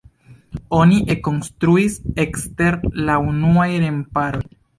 Oni ekkonstruis ekster la unuaj remparoj.